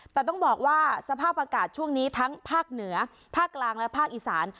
แต่ต้องบอกว่าสภาพอากาศช่วงนี้ทั้งภาคเหนือภาคกลางและภาคอีสาน